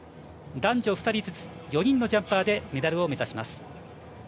男女２人ずつ４人のジャンパーでメダルを目指します。